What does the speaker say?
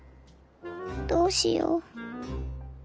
どうしよう。